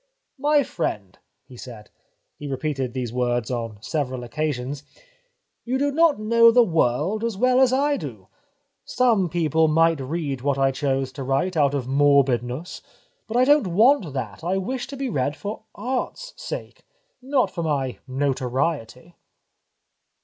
' My friend,' he said — he repeated these words on several occasions —' You do not know the world as well as I do. Some people might read what I chose to write out of morbidness, but I don't want that, I wish to be read for Art's sake, not for my notoriety.'